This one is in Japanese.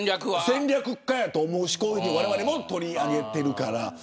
戦略家やと思うしわれわれも取り上げてるから。